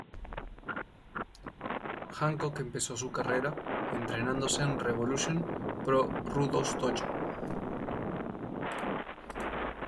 Hancock empezó su carrera entrenándose en Revolution Pro Rudos Dojo.